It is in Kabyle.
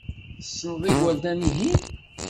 Tessneḍ igerdan-ihin?